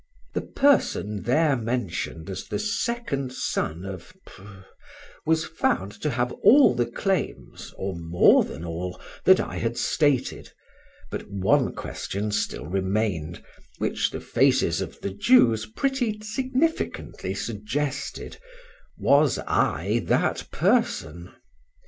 The person there mentioned as the second son of —— was found to have all the claims (or more than all) that I had stated; but one question still remained, which the faces of the Jews pretty significantly suggested—was I that person?